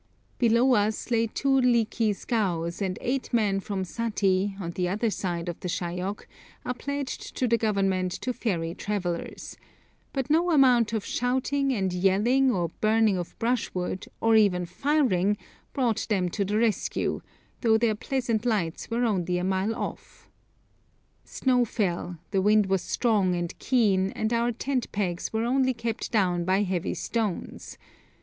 Below us lay two leaky scows, and eight men from Sati, on the other side of the Shayok, are pledged to the Government to ferry travellers; but no amount of shouting and yelling, or burning of brushwood, or even firing, brought them to the rescue, though their pleasant lights were only a mile off. Snow fell, the wind was strong and keen, and our tent pegs were only kept down by heavy stones.